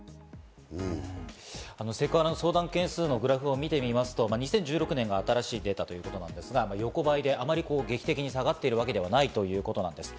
セクハラの相談件数のグラフを見てみますと、２０１６年が新しいデータということなんですが横ばいであまり劇的に下がっているわけではないということです。